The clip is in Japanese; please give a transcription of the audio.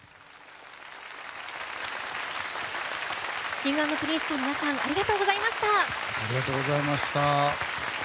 Ｋｉｎｇ＆Ｐｒｉｎｃｅの皆さんありがとうございました。